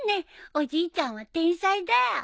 おじいちゃんは天才だよ。